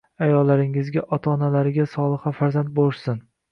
Ayollaringizga ota - onalariga soliha farzand boʻlishsin